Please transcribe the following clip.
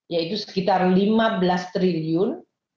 yaitu sekitar lima belas triliun